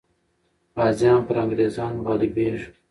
غازیان پر انګریزانو غالبېږي.